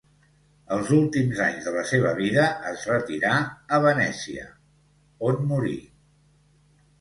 Els últims anys de la seva vida es retirà a Venècia, on morí.